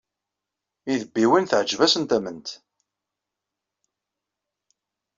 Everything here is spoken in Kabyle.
Idebbiwen teɛǧeb-asen tament.